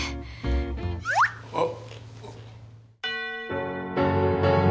あっ。